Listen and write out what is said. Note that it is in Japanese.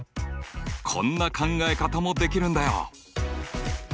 こんな考え方もできるんだよ。